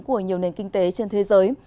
của nhiều nền kinh tế trên thế giới